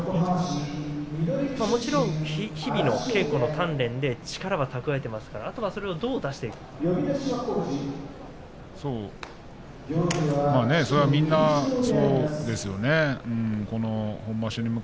もちろん日々の稽古の鍛錬で力は蓄えていますからあとはそれをどう出していくかですね。